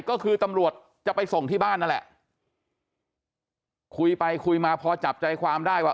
ก็คือตำรวจจะไปส่งที่บ้านนั่นแหละคุยไปคุยมาพอจับใจความได้ว่า